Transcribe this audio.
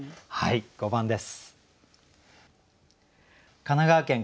５番です。